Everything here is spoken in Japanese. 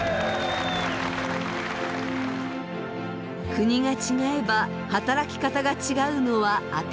国が違えば働き方が違うのは当たり前。